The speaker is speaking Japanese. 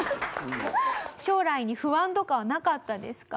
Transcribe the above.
将来に不安とかはなかったですか？